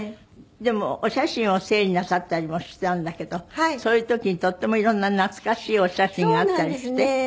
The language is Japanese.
でもお写真を整理なさったりもしたんだけどそういう時にとってもいろんな懐かしいお写真があったりして？